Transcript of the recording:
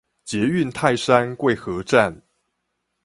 捷運泰山貴和站